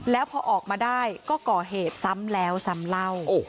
แล้วพอออกมาได้ก็ก่อเหตุซ้ำแล้วซ้ำเล่า